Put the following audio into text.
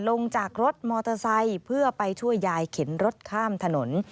ลงจากรถมอเตอร์ไซค์เพื่อไปช่วยยายเข็นรถข้ามถนน